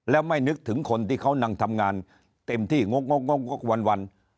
แล้วไม่นึกถึงคนที่เขานั่งทำงานเต็มที่งกงกวัน